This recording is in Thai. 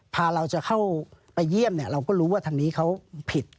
พาเราจะเข้าไปเยี่ยมเราก็รู้ว่าทางนี้เขาผิด